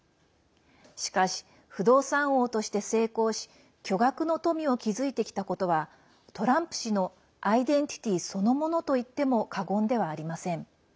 しかし、不動産王として成功し巨額の富を築いてきたことはトランプ氏のアイデンティティーそのものといっても過言ではありません。